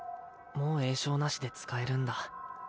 もう詠唱なしで使えるんだ